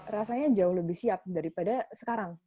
rasanya jauh lebih siap daripada sekarang